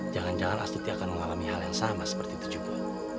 jangan jangan astiti akan mengalami hal yang sama seperti itu juga